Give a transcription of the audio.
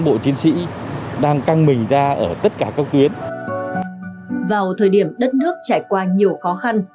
bộ chiến sĩ đang căng mình ra ở tất cả các tuyến vào thời điểm đất nước trải qua nhiều khó khăn